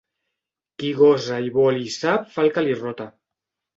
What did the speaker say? "Qui gosa i vol i sap fa el que li rota".